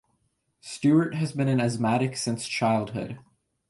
Stewart has been an asthmatic since childhood.